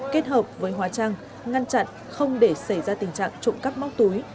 kết hợp với hóa trang ngăn chặn không để xảy ra tình trạng trộm cắp móc túi